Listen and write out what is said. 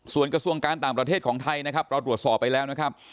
ส่วนกระทรวงการต่างประเทศของไทยนะครับเราตรวจสอบไปแล้วนะครับ